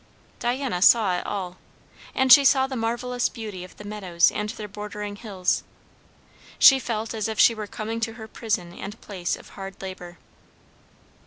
Diana saw it all; and she saw the marvellous beauty of the meadows and their bordering hills; she felt as if she were coming to her prison and place of hard labour.